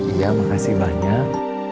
iya makasih banyak